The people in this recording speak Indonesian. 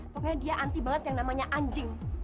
pokoknya dia anti banget yang namanya anjing